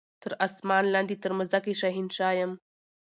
تر اسمان لاندي تر مځکي شهنشاه یم